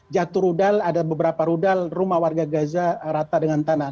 jatuh rudal ada beberapa rudal rumah warga gaza rata dengan tanah